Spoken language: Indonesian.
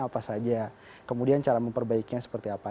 apa saja kemudian cara memperbaikinya seperti apa